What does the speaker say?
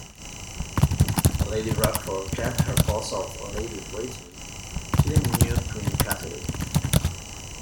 Lady Rochford kept her post as lady-in-waiting to the new Queen Catherine.